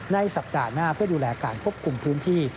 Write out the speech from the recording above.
สัปดาห์หน้าเพื่อดูแลการควบคุมพื้นที่